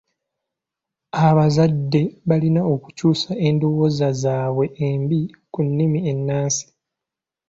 Abazadde balina okukyusa endowooza zaabwe embi ku nnimi ennansi.